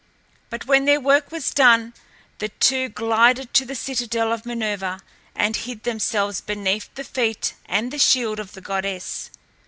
But when their work was done, the two glided to the citadel of Minerva and hid themselves beneath the feet and the shield of the goddess.